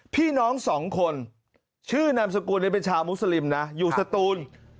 พี่น้องสองคนชื่อนามสกุลเป็นชาวมุสลิมนะอยู่สตูน